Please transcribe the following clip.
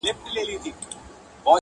زه چي غرغړې ته ورختلم اسمان څه ویل.!